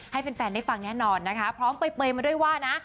ให้แฟนได้ฟังแน่นอนนะคะพร้อมเปลยมาด้วยว่านะ